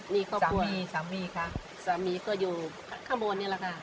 นี่เขาก็มีสามีค่ะสามีก็อยู่ข้างบนนี่แหละค่ะ